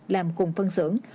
làm cùng phân xưởng